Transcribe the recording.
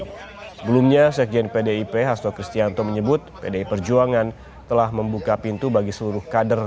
sebelumnya sekjen pdip hasto kristianto menyebut pdi perjuangan telah membuka pintu bagi seluruh kader